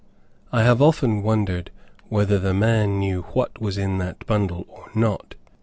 I have often wondered whether the man knew what was in that bundle or not.